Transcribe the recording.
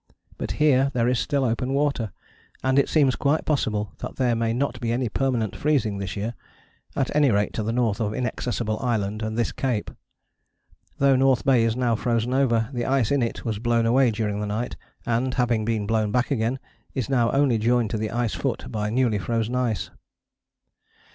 But here there is still open water, and it seems quite possible that there may not be any permanent freezing this year, at any rate to the north of Inaccessible Island and this cape. Though North Bay is now frozen over, the ice in it was blown away during the night, and, having been blown back again, is now only joined to the ice foot by newly frozen ice."